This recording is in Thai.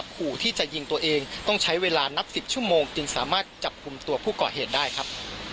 ขู่ที่จะยิงตัวเองต้องใช้เวลานับ๑๐ชั่วโมงจึงสามารถจับกลุ่มตัวผู้ก่อเหตุได้ครับ